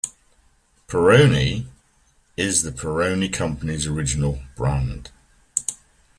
"Peroni" is the Peroni company's original brand.